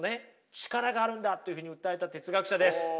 力があるんだというふうに訴えた哲学者です。